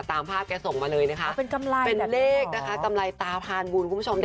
ตามภาพแกส่งมาเลยนะคะเป็นเลขนะคะกำไรตาพานบุญคุณผู้ชม